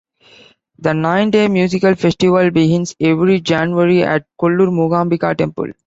The nine-day music festival begins every January at Kollur Mookambika Temple.